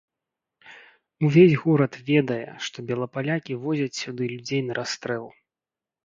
Увесь горад ведае, што белапалякі возяць сюды людзей на расстрэл.